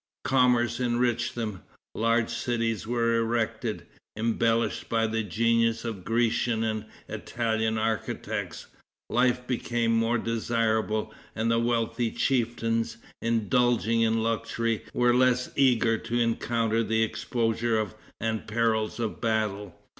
Commerce enriched them. Large cities were erected, embellished by the genius of Grecian and Italian architects. Life became more desirable, and the wealthy chieftains, indulging in luxury, were less eager to encounter the exposure and perils of battle.